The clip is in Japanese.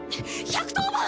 １１０番！